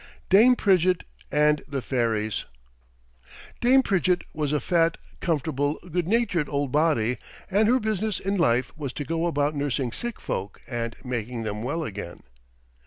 DAME PRIDGETT AND THE FAIRIES Dame Pridgett was a fat, comfortable, good natured old body, and her business in life was to go about nursing sick folk and making them well again.